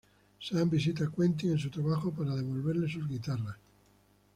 Sam visita a Quentin en su trabajo para devolverle sus guitarras.